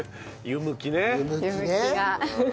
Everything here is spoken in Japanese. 湯むきが。